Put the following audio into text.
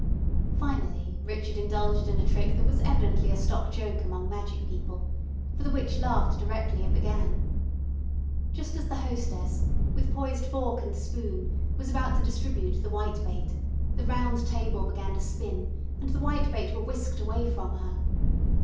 Finally Richard indulged in a trick that was evidently a stock joke among magic people, for the witch laughed directly it began. Just as the hostess, with poised fork and spoon, was about to distribute the whitebait, the round table began to spin, and the whitebait were whisked away from her.